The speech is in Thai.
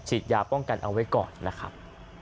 ยาป้องกันเอาไว้ก่อนนะครับ